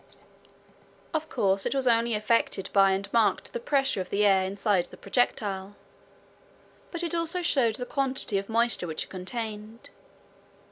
Of course it was only affected by and marked the pressure of the air inside the projectile, but it also showed the quantity of moisture which it contained.